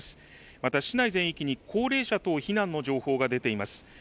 また市内全域に高齢者等避難の情報が出ています。